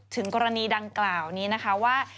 ถึงกรณีดังกล่าวนี้นะคะว่า